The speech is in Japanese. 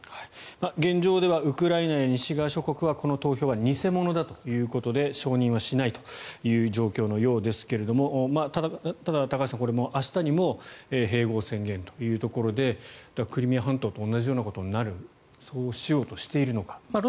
現状ではウクライナや西側諸国はこの投票は偽物だということで承認はしないという状況のようですがただ、高橋さん、明日にも併合を宣言ということでクリミア半島と同じようなことになるそうしようとしているのかという。